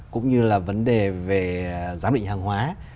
cũng như là vấn đề về giám định hàng hóa